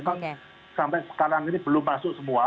kan sampai sekarang ini belum masuk semua